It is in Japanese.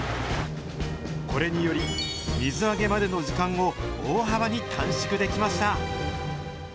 これにより、水揚げまでの時間を大幅に短縮できました。